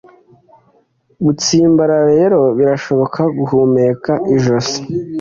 gutsimbarara rero birashoboka guhumeka ijosi